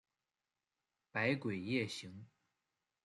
百鬼夜行。